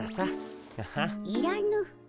いらぬ。